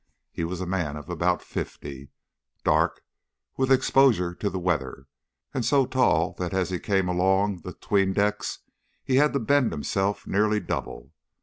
He was a man of about fifty, dark with exposure to the weather, and so tall that as he came along the 'tween decks he had to bend himself nearly double.